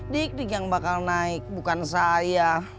dik dik yang bakal naik bukan saya